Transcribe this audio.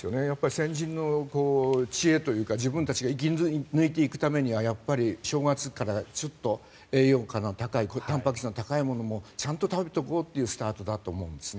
先人の知恵というか自分たちが生き抜いていくためには正月からちょっと栄養価の高いたんぱく質の高いものもちゃんと食べておこうというスタートだと思うんですね。